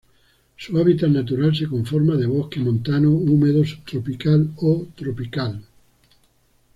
Su hábitat natural se conforma de bosque montano húmedo subtropical o tropical.